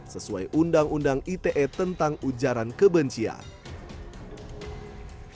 sesuai undang undang ite tentang ujaran kebencian